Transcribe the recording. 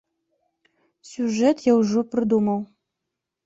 Сюжэт я ўжо прыдумаў.